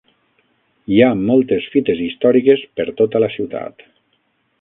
Hi ha moltes fites històriques per tota la ciutat.